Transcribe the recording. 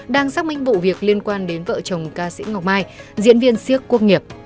đang xác minh vụ việc liên quan đến vợ chồng ca sĩ ngọc mai diễn viên siếc quốc nghiệp